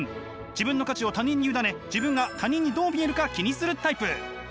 自分の価値を他人に委ね自分が他人にどう見えるか気にするタイプ。